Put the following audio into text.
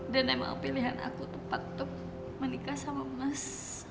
dan emang pilihan aku tepat untuk menikah sama mas